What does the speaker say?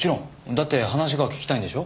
だって話が聞きたいんでしょ？